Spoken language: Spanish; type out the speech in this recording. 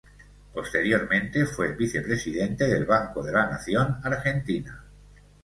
Posteriormente fue vicepresidente del Banco de la Nación Argentina.